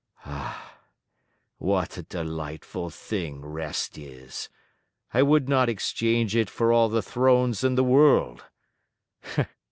What a delightful thing rest is! I would not exchange it for all the thrones in the world!